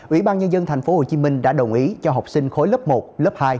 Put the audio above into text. ủy ban nhân dân thành phố hồ chí minh đã đồng ý cho học sinh khối lớp một lớp hai